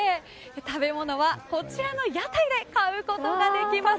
食べ物はこちらの屋台で買うことができます。